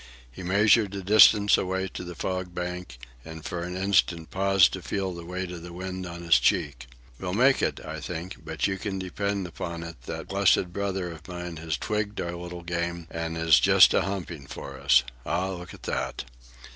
He measured the distance away to the fog bank, and for an instant paused to feel the weight of the wind on his cheek. "We'll make it, I think; but you can depend upon it that blessed brother of mine has twigged our little game and is just a humping for us. Ah, look at that!"